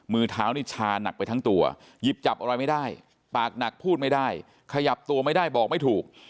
มือเท้านี่ชาหนักไปทั้งตัวหยิบจับอะไรไม่ได้ปากหนักพูดไม่ได้ขยับตัวไม่ได้บอกไม่ถูก